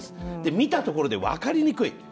見たところで分かりにくい。